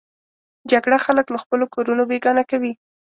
جګړه خلک له خپلو کورونو بېګانه کوي